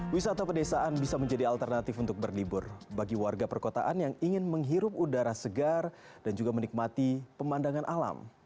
wisata pedesaan bisa menjadi alternatif untuk berlibur bagi warga perkotaan yang ingin menghirup udara segar dan juga menikmati pemandangan alam